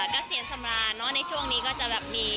เกษียณสำราญเนอะในช่วงนี้ก็จะแบบมี